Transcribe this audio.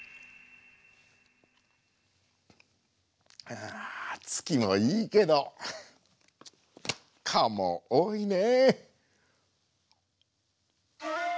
ああ月もいいけど蚊も多いね！